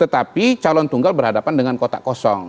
tetapi calon tunggal berhadapan dengan kotak kosong